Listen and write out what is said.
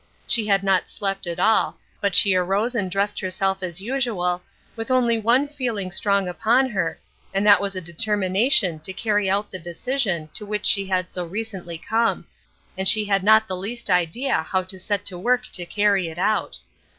She had not slept at all, but she arose and dressed herself as usual, with only one feeling strong upon her, and that was a determination to carry out the decision to which she had so recently come, and she had not the least idea how to set to work to carry it out.